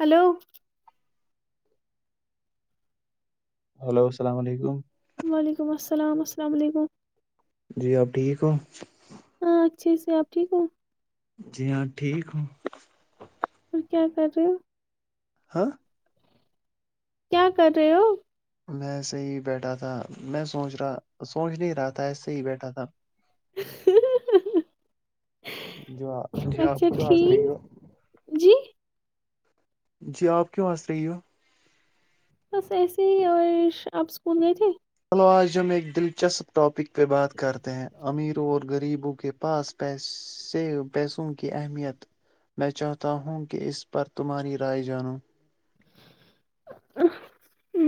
Hello hello السلام علیکم وعلیکم السلام السلام علیکم جی آپ ٹھیک ہو ہاں اچھے سے آپ ٹھیک ہو جی ہاں ٹھیک ہوں اور کیا کر رہے ہو ہاں کیا کر رہے ہو میںسے ہی بیٹھا تھا میں سوچ رہا سوچ نہیں رہا تھا ایسسے ہی بیٹھا تھا [inaudible] جو جی آپ اچھا کیوں حاس رہی ٹھیک ہو جی جی آپ کیوں ہنس رہی ہو؟ بس ایسے ہی اور آپ اسکول گئے تھے تو آج ہم ایک دلچسپ ٹاپک پہ بات کرتے ہیں امیروں اور غریبوں کے پاسیے پیسوں کی اہمیت میں چاہتا ہوں کہ اس پر تمہاری رائے جانو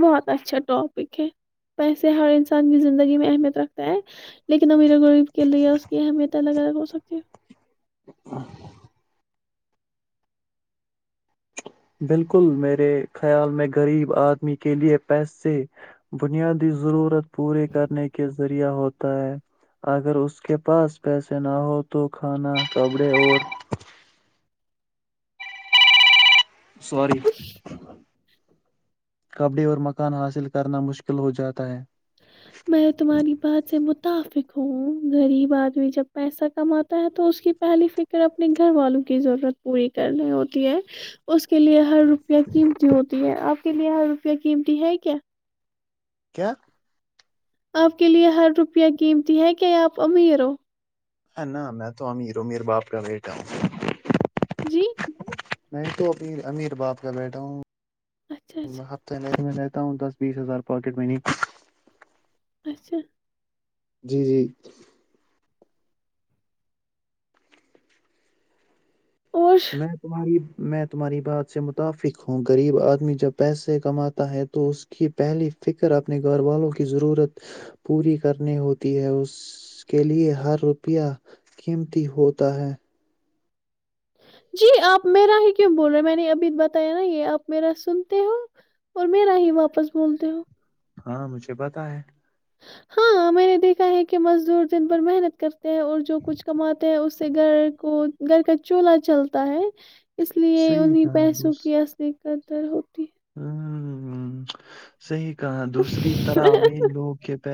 بہت اچھا ٹاپک ہے پیسے ہر انسان کی زندگی میں اہمیت رکھتا ہے لیکن امیر غریب کے لیے اس کی اہمیت الگ الگ ہو سکتی ہے [inaudible] بالکل میرے خیال میں غریب آدمی کے لیے پیسے بنیادی ضرورت پورے کرنے کے ذریعہ ہوتا ہے اگر اس کے پاس پیسے نہ ہوں تو کھانا کپڑے اور سوری [unintelligible] کپڈی اور مکان حاصل کرنا مشکل ہو جاتا ہے میں تمہاری بات سے متفق [unintelligible] غریب آدمی جب پیسا کماتا ہے تو اس کی پہلی فکر اپنے گھر والوں کی ضرورت پوری کرنی ہوتی ہے اس کے لیے ہر روپئے قیمتی ہوتی ہے آپ ک لی ہار روپے قیمتی ہے کیا کیا آپ کے لیے ہر روپیہ قیمتی ہے کیا آپ امیر ہو ہ نہ میں تو امیروں میر باپ کا بیٹا ہوں جی میں تو ا امیر باپ کا بیٹا ہوں اچھا اچھا ہفتے نہیں م تا ہوں دس بیس ہزار پاکٹ میںنی اچھا جی جی اور میں تمہاری میں تمہاری بات سے متفق ہوں غریب آدمی جب پیسے کماتا ہے تو اس کی پہلی فکر اپنے گھر والوں کی ضرورت پوری کرنی ہوتی ہے اس کے لیے ہر روپیہ قیمتی ہوتا ہے جی آپ میرا ہی کیوں بول رہے میں نے ابھی بتایا نا یہ آپ میرا سنتے ہو اور میرا ہی واپس بولتے ہو ہاں مجھے پتا ہے ہاں میں نے دیکھا ہے کہ مزدور دن ب محنت کرتے ہیں اور جو کچھ کماتے ہیں اس سے گھر کو گھر کا چولہلا چلتا ہے اس لیے صحیح انہیں پیسوں کی اصلیقت ر ہوتی ہ ص دوسری طرح ہے این لوگ کے پ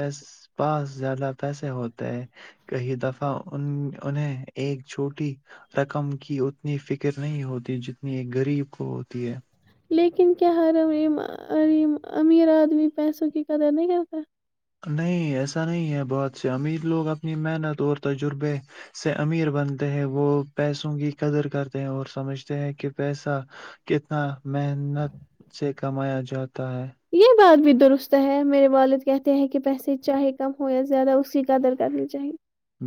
پاس زیادہ پیسے ہوتے ہے کئی دفعہ ان انہیں ایک چھوٹی رقم کی اتنی فکر نہیں ہوتی جتنی ایک غریب کو ہوتی ہے لیکن کیا ہم ام امیر آدمی پیسوں کی کدر نہیں کرتا نہیں ایسا نہیں ہے بہت سے امیر لوگ اپنی محنت اور تجربے سے امیر بنتے ہیں وہ پیسوں کی قدر کرتے ہیں اور سمجھتے ہیں کہ پیسہ کتنا محنت سے کمایا جو ہوتا ہے یہ بات بھی درست ہے میرے والد کہتے ہیں کہ پیسے چاہے کم ہو یا زیادہ اس کی قدر کرنی چاہیے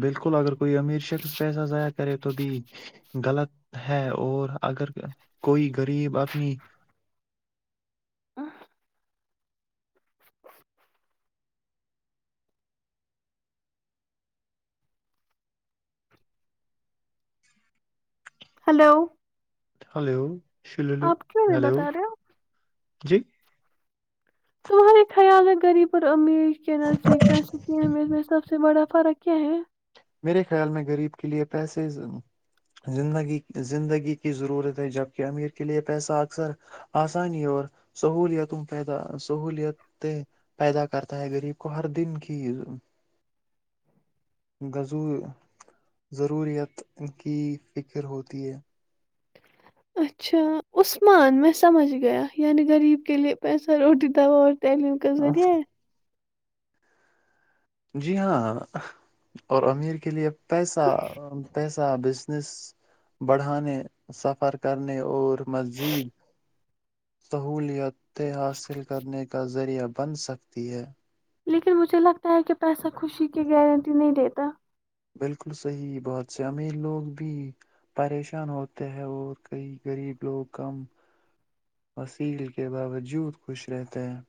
بالکل اگر کوئی امیر شخص پیسہ ضائع کرے تو بھی غلط ہے اور اگر کوئی غریب اپنی [inaudible] ہلو ہلو شلولو اپ کیوں نہیں ہلو بتا رہے ہو جی تمہارے خیال ہے غریب اور امیر کے نزدیک پسوں کی امی اس میں سب سے بڑا فرق کیا ہے میرے خیال میں غریب کے لیے پیسے زندگی زندگی کی ضرورت ہے جبکہ امیر کے لیے پیسہ اکثر آسانی اور سہولیتوں پیدا سہولیتیں پیدا کرتا ہے غریب کو ہر دن کی ذور ضروریت کی فکر ہوتی ہے اچھا عثمان میں سمجھ گیا یعنی غریب کے لیے پیسہ روٹی دوا اور [unintelligible] جی ہاں اور امیر کے لیے پیسہ پیسہ بزنس بڑھانے سفر کرنے اور مزید سہولیات حاصل کرنے کا ذریعہ بن سکتی ہے لیکن مجھے لگتا ہے کہ پیسہ خوشی کی گارنٹی نہیں دیتا بالکل صحیح بہت سے امیر لوگ بھی پریشان ہوتے ہیں اور کئی غریب لوگ کم وسیل کے باوجود خوش رہتے ہیں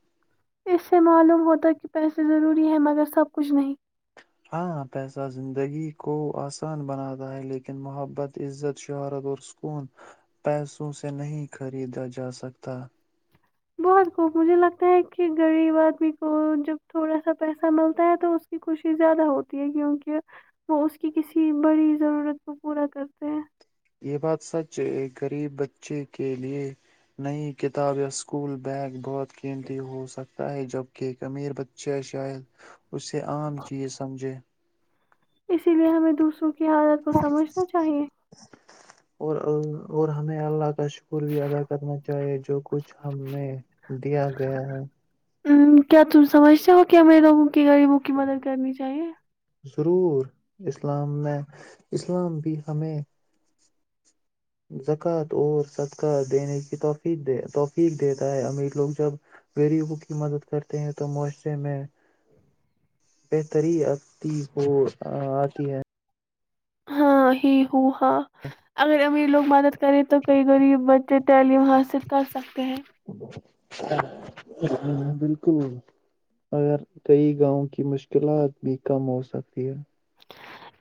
اس سے معلوم ہوتا کہ پیسے ضروری ہے مگر سب کچھ نہیں ہاں پیسہ زندگی کو آسان بناتا ہے لیکن محبت عزت شہارت اور سکون پیسوں سے نہیں خریدا جاسکتا بہت خب مجھے لگتا ہے کہ غریب آدمی کو جب تھوڑا سا پیسہ ملتا ہے تو اس کی خوشی زیادہ ہوتی ہے کیونکہ وہ اس کی کسی بڑی ضرورت کو پورا کرتے ہیں یہ بات سچ ہے ایک غریب بچے کے لیے نئی کتاب یا اسکول بیگ بہت قیمتی ہو سکتا ہے جبکہ ایک امیر بچہ شاید اس سے عام چیز سمجھے اسی لیے ہمیں دوسروں کی حالت کو سمجھنا چاہیے اور اور ہمیں اللہ کا شکر بھی ادا کرنا چاہیے جو کچھ ہم نے دیا گیا ہے ہ کیا تم سمجھتے ہو کیا امیر کے غریبوں کی مدد کرنی چاہیے ضرور اسلام میں اسلام بھی ہمیں [unintelligible] ہاں ہی ہ ہاں اگر امیر لوگ مدد کریں تو کئی غریب بچے تعلیم حاصل کر سکتے ہیں بالکل اگر کئی گاؤں کی مشکلات بھی کم ہو سکتی ہے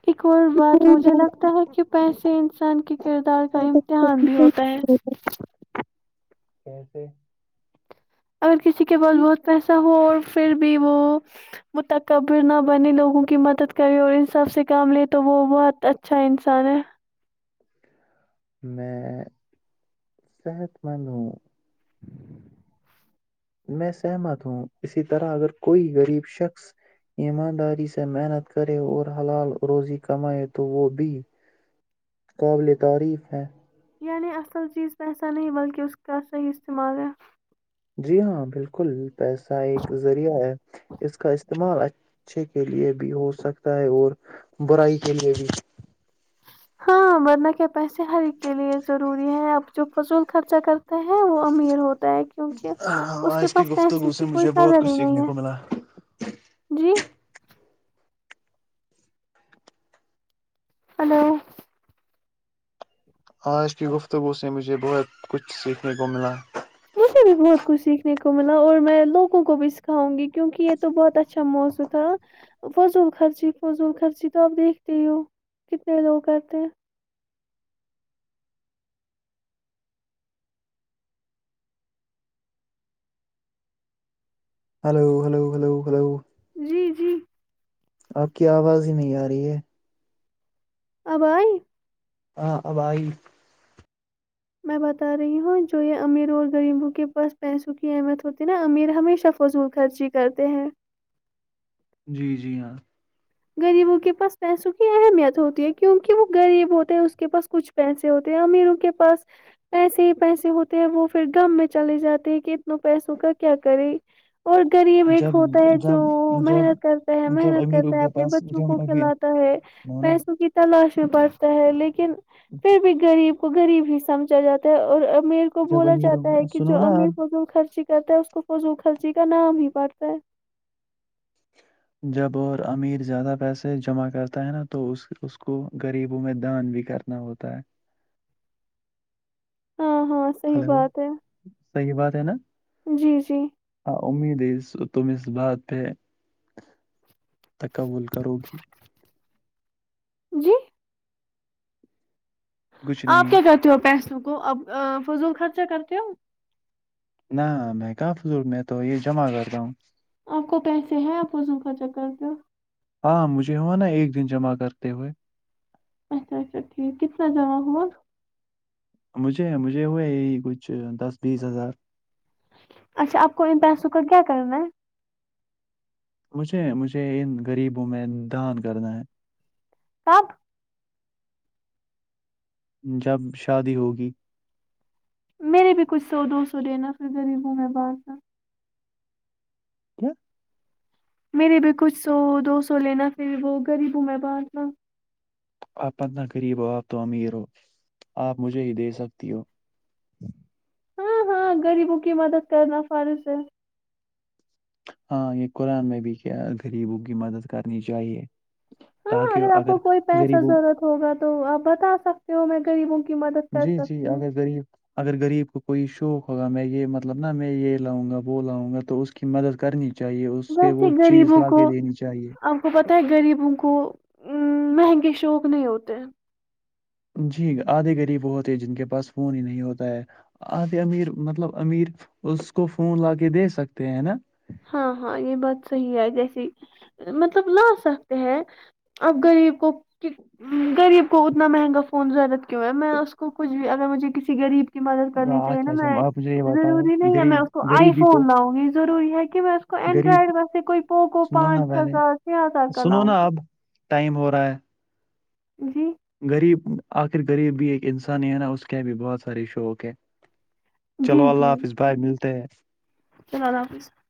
ایک اور بات مجھے لگتا ہے کہ پیسے انسان کے کردار کا امتحان بھی ہوتا ہے کیسے اگر کسی کے پاس بہت پیسہ ہو اور پھر بھی وہ متقبر نہ بنے لوگوں کی مدد کرے اور انساف سے کام لے تو وہ بہت اچھا انسان ہے میں صحت مند ہوں میں سہمت ہوں اسی طرح اگر کوئی غریب شخص ایمانداری سے محنت کرے اور حلال روزی کمائے تو وہ بھی قابل تعریف ہے یعنی اصل چیز پہ پسا نہیں بلکہ اس کا صحیح استعمال ہے جی ہاں بالکل پیسہ ایک ذریعہ ہے اس کا استعمال اچھا اچھے کے لیئے بھی ہو سکتا ہے اور برائی کے لیئے بھی ہاں ورنہ کے پیسے ہر ایک کے لیے ضروری ہے اب جو فضول خرچا کرتے ہیں وہ امیر ہوتا کیونکہ اس کے آج کی پاس پیسے گفتگو سے کی کوئی مجھے بہت قدر کچھ ہی نہیں سیکھنے ہے کو ملا جی ہلو آج کی گفتگو سے مجھے مجھے بہت کچھ سیکھنے کو ملا یکنے کو ملا اور میں لوگوں کو بھی سکھاؤں گی کیونک یہ تو بہت اچھا موضوع تھا فضول خرچی فضول خرچی تو آپ دیکھتے ہو کتنے لوگ کرتے ہیں ہلو ہلو ہلو ہلو جی جی آپ کی آواز ہی نہیں آ رہی ہے اب آئی ہاں اب ائی میں بتا رہی ہوں جو یہ امیر اور غریبوں کے پاس پیسوں کی اہمیت ہوتی نا امیر ہمیشہ فضول خرچی کرتے ہیں جی جی ہاں غریبوں کے پاس پیسوں کی اہمیت ہوتی ہے کیونکہ وہ غریب ہوتے ہیں اس کے پاس کچھ پیسے ہوتے ہیں امیروں کے پاس پیسے ہی پیسے ہوتے ہیں وہ پھر غم میں چلے جاتے ہیں کہ اتن پیسوں کا کیا کرے اور غریب ایک جب ہوتا ہے جو جب جب محنت کرتے ہے جب محنت کرتے امیروں ہیں کے اپنے پاس بچوں کو جب ابھی کھلاتا ہے سنو نا پیسوں کی تلاش میں پڑتا ہے لیکن پھر بھی غریب کو غریب ہی سمجھا جاتا ہے اور امیر کو جب بولا امیروں جاتا ہے کے کہ سنو جو نا امیر آپ کوزم خرچی کہتا اس کو فضول خرچی کا نام ہی پڑتا ہے جب اور امیر زیادہ پیسے جمع کرتا ہے نا تو اس اس کو غریبوں میں دان بھی کرنا ہوتا ہے ہاں ہاں صحیح ہلو بات ہے صحیح بات ہے نا جی جی ہاں امید ہے اس تم اس بات پہ تکول کرو گی جی کچھ آپ نہیں کیا کرتے ہو پیسوں کو اب فضول خرچا کرتے ہو نہ میں کا فضول میں تو یہ جمع کرتا ہوں آپ کو پیسے ہیں آپ فضول خرچہ کرتے ہو ہاں مجھے ہوا نا ایک دن جمع کرتے ہوئے اچھا اچھا ٹھیک کتنا جمہ ہوا مجھے مجھے وہ یہی کچھ دس بیس ہزار اچھا آپ کو ان پیسوں کا کیا کرنا ہے مجھے مجھے ان غریب میں دان کرنا ہے کب جب شادی ہوگی میرے بھی کچھ سو دو سو دینا پھر غریب ہوں میں بانٹنا کا کیا میری بھی کچھ سو دو سو لینا پھر وہ غریبوں میں بانٹنا آپ اپتنا غریب ہو آپ تو امیر ہو آپ مجھے ہی دے سکتی ہو ہاں ہاں غریبوں کی مدد کرنا فرض ہے ہاں یہ قرآن میں بھی کیا غریبوں کی مدد کرنی چاہیے ہاں تاکہ اگر آپ کو کوئی پیسہ غریبوں ضرورت ہوگا تو تو آپ بتا سکتے ہو میں غریبوں کی مدد کر جی جی سکتی ہوں اگر غریب [unintelligible] اگر غریب کو کوئی شوق ہوگا میں یہ مطلب نہا میں یہ لاؤں گا وہ لاؤں گا تو اس کی مدد کرنی چاہیے اس کے وہ ویسے چیز لا کے دینی چاہیے تے غریبوں کو مہنگے شوق نہیں ہوتے ہیں جی آدھے غریب وہ ہوتے جن کے پاس فون ہی نہیں ہوتا ہے آدھے امیر مطلب امیر اس کو فون لا کے دے سکتے ہیں نا ہاں ہاں یہ بات صحیح ہے جیسیے مطلب لا سکتے ہیں اب غریب کو غریب کو اتنا مہنگا فون ضرورت کیوں ہے میں اس کو کچھ بھی اگر مجھے کسی غریب کی مدد کرنی چاہیے نا اچھا اچھا میں آپ مجھے یہ بتاؤ ضروری نہیں ہے میں غریب اس کو آئی غریبی تو فون لاؤں گی ضروری ہے کہ [unintelligible] کہ میں اس کو غریب اینڈرائڈ میں سے کوئی پوکو سنو نا پانچ پہلے ہزار چھ ہزار کا سنو لاؤں نا گی اب [unintelligible] ٹائم ہو رہا ہے [unintelligible] [unintelligible] جی غریب [inaudible] [unintelligible] آخر غریب بھی ایک انسانی ہے نا اس کے بھی بہت سارے شوق ہے [unintelligible] چلو جی اللہ جی حافظ بائے ملتے ہیں [unintelligible] چلو اللہ حافظ [unintelligible]